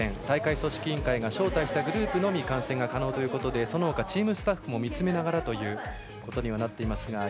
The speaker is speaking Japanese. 大会組織委員会が招待したグループのみ観戦が可能ということでそのほか、チームスタッフが見つめながらということになっています。